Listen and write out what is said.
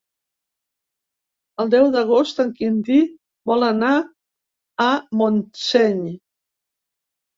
El deu d'agost en Quintí vol anar a Montseny.